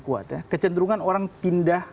kuat ya kecenderungan orang pindah